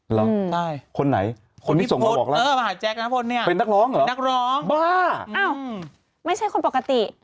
หรอคนไหนคนที่ส่งมาบอกล่ะเป็นนักร้องเหรอบ้าอ้าวไม่ใช่คนปกติ